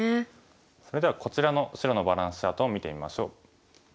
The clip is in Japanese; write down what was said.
それではこちらの白のバランスチャートを見てみましょう。